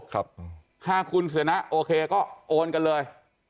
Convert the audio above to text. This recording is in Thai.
ถ้าคุณเสียนะโอเคก็โอนกันเลย